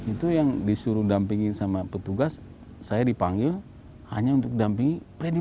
itu yang disuruh dampingi sama petugas saya dipanggil hanya untuk dampingi freddy